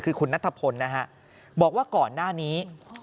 คือคุณนัทพลนะฮะบอกว่าก่อนหน้านี้